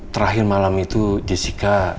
terakhir malam itu jessica